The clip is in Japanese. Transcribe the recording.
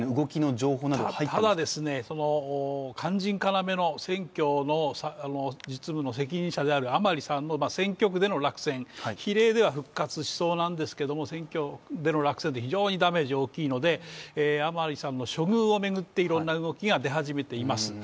ただ、肝心要の選挙の実務の責任者である甘利さんの選挙区での落選、比例では復活しそうなんですけれども、選挙での落選は非常にダメージは大きいので甘利さんの処遇を巡っていろんな動きが出ています。